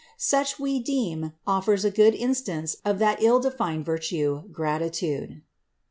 Such, we deem, oflers a good instance of that ill defined virtue, gratitude.